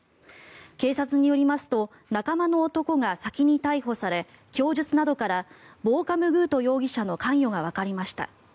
警察によりますと仲間の男が先に逮捕され供述などからボーカムグート容疑者の関与がわかりました。